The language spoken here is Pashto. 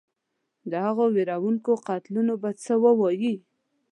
د هغو وېروونکو قتلونو به څه ووایې.